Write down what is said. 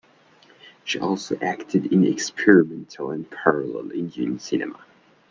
She also acted in experimental and parallel Indian cinema.